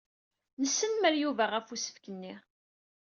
Nesnemmer Yuba ɣef usefk-nni.